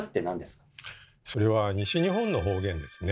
それは西日本の方言ですね。